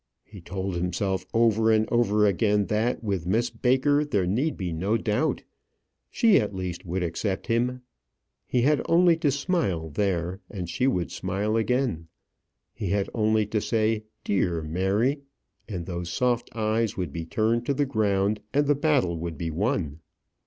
He told himself over and over again that with Miss Baker there need be no doubt; she, at least, would accept him. He had only to smile there, and she would smile again. He had only to say "dear Mary," and those soft eyes would be turned to the ground and the battle would be won.